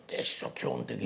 基本的には。